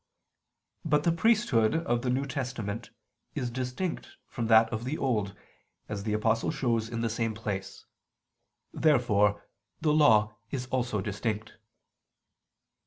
But the priesthood of the New Testament is distinct from that of the Old, as the Apostle shows in the same place. Therefore the Law is also distinct.